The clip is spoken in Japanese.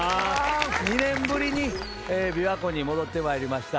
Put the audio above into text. ２年ぶりに琵琶湖に戻ってまいりました。